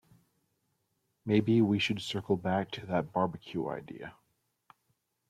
Maybe we should circle back round to that barbecue idea?